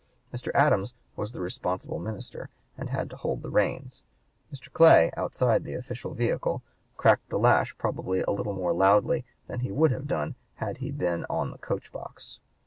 Mr. Adams was the responsible minister, and had to hold the reins; Mr. Clay, outside the official vehicle, cracked the lash probably a little more loudly than he would have done had he been on the coach box.